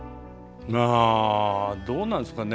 あどうなんですかね。